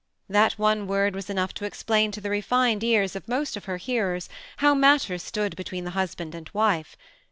That one word was enough to explain to the refined ears «of most of her hearers how matters stood between the husband and wife.